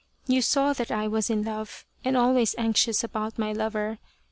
You saw that I was in love and always anxious about my lover.